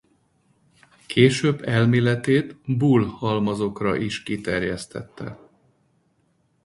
Később elméletét Boole-halmazokra is kiterjesztette.